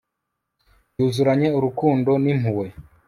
yuzuranye urukundo n'impuhwe